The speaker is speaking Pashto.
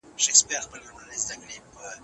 نړيوالي اړیکي د هیوادونو ترمنځ د پرمختګ وسیله ده.